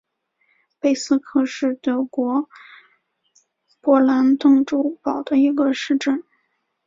贝斯科是德国勃兰登堡州的一个市镇。